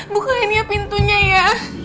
bukain ya pintunya ya